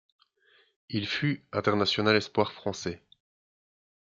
Il fut international espoir français.